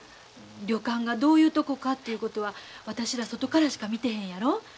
旅館がどういうとこかということは私ら外からしか見てへんやろ。